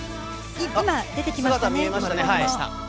今、出てきましたね。